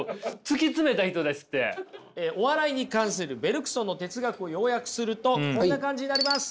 お笑いに関するベルクソンの哲学を要約するとこんな感じになります。